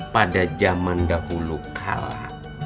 pada zaman gak dulu kala